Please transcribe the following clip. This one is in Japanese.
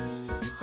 あ。